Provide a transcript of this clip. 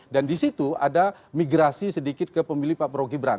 dan di situ ada migrasi sedikit ke pemilih pak prabowo gibran